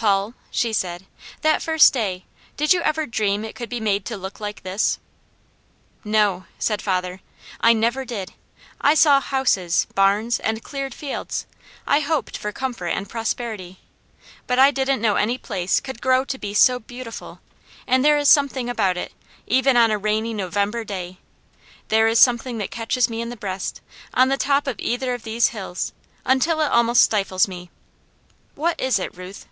"Paul," she said, "that first day, did you ever dream it could be made to look like this?" "No!" said father. "I never did! I saw houses, barns, and cleared fields; I hoped for comfort and prosperity, but I didn't know any place could grow to be so beautiful, and there is something about it, even on a rainy November day, there is something that catches me in the breast, on the top of either of these hills, until it almost stifles me. What is it, Ruth?"